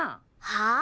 はあ？